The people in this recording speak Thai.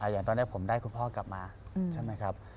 อย่างตอนนี้ผมได้คุณพ่อกลับมาใช่ไหมครับ